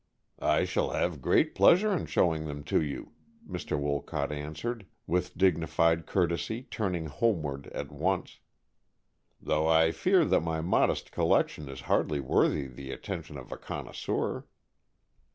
"I shall have great pleasure in showing them to you," Mr. Wolcott answered, with dignified courtesy, turning homeward at once. "Though I fear that my modest collection is hardly worthy the attention of a connoisseur."